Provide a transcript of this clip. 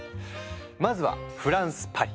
まずはフランスパリ。